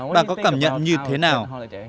bà có cảm nhận như thế nào